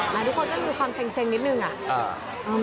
มาทุกคนก็ดูความเศร้งนิดนึงอ่ะ